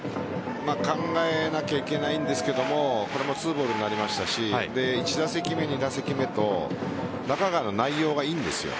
考えないといけないんですが２ボールになりましたし１打席目、２打席目と中川の内容がいいんですよ。